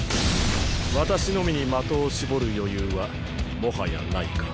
私のみに的を絞る余裕はもはやないか。